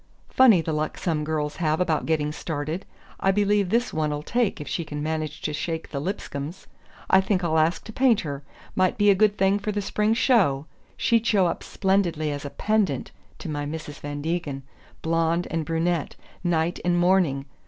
Funny the luck some girls have about getting started. I believe this one'll take if she can manage to shake the Lipscombs. I think I'll ask to paint her; might be a good thing for the spring show. She'd show up splendidly as a PENDANT to my Mrs. Van Degen Blonde and Brunette... Night and Morning...